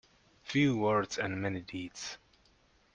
Few words and many deeds.